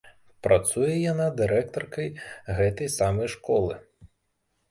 Працуе яна дырэктаркай гэтай самай школы.